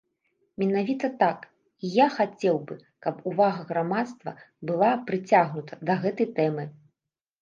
Менавіта так, і я хацеў бы, каб увага грамадства была прыцягнута да гэтай тэмы.